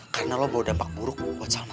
karena lo bawa dampak buruk buat salma